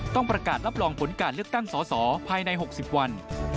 ต้องประกาศรับรองผลการเลือกตั้งสอสอภายใน๖๐วัน